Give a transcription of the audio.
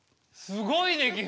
すごいね君！